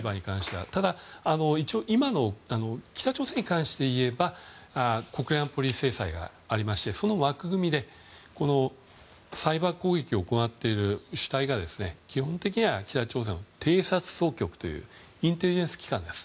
ただ、一応今の北朝鮮に関していえば国連安保理制裁がありましてその枠組みでサイバー攻撃を行っている拠点が基本的には北朝鮮の偵察当局というインテリジェンス機関です。